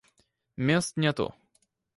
Мест нету.